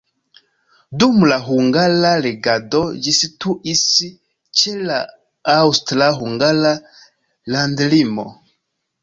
Dum la hungara regado ĝi situis ĉe la aŭstra-hungara landlimo.